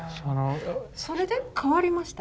それで変わりました？